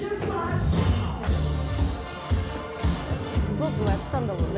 ロックもやってたんだもんね？